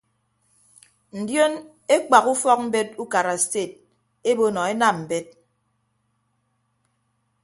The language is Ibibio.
Ndion ekpak ufọkmbet ukara sted ebo nọ enam mbet.